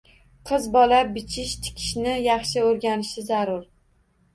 Qiz bola bichish-tikishni yaxshi o‘rganishi zarur.